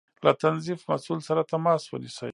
له تنظيف مسؤل سره تماس ونيسئ